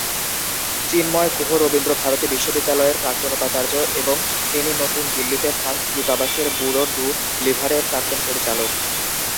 চিন্ময় গুহ রবীন্দ্র ভারতী বিশ্ববিদ্যালয়ের প্রাক্তন উপাচার্য এবং তিনি নতুন দিল্লিতে ফ্রান্স দূতাবাসের ব্যুরো ডু লিভারের প্রাক্তন পরিচালক।